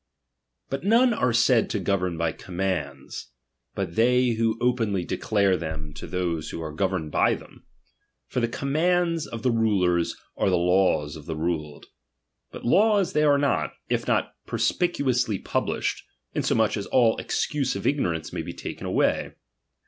But none are said to govern hy commands, The ''iai<4 but they who openly declare them to those who resio,,, r^v^i are governed by them. For the commands of the*""*' ^'"^"^ rulers, are the laws of the ruled ; but laws] they are not, if not perspicuously published, insomuch as all excuse of iguorance may be taken away.